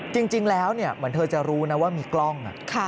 จริงแล้วเหมือนเธอจะรู้นะว่ามีกล้อง